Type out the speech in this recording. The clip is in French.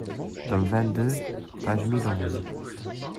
tome XXII, page mille onze.